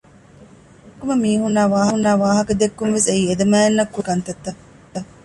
ބޭރަށް ނުކުމެ މީހުންނާއި ވާހަކަ ދެއްކުންވެސް އެއީ އެދެމައިންނަށް ކުރުން މަނާކަންތައްތައް